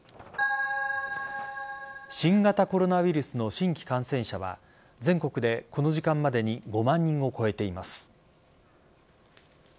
新型コロナウイルスの新規感染者は全国でこの時間までに５万人を超えています。